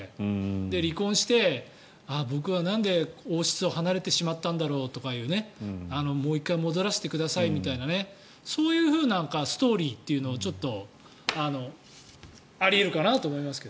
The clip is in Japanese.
離婚して、僕はなんで王室を離れてしまったんだろうとかもう一回戻らせてくださいみたいなそういうストーリーというのもあり得るかなと思いますけど。